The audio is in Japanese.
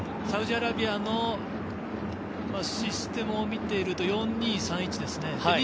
サウジアラビアのシステムを見ていると４−２−３−１ですね。